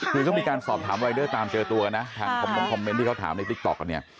คือเขามีการสอบถามรายเดอร์ตามเจอตัวนะทางคอมมงคอมเมนต์ที่เขาถามในติ๊กต๊อกกันเนี่ย